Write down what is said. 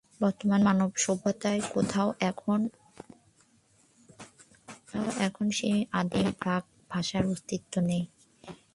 বর্তমান মানব সভ্যতার কোথাও এখন সেই আদিম প্রাক ভাষার অস্তিত্ব নেই।